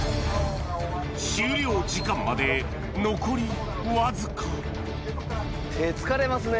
終了時間まで残りわずか手疲れますね。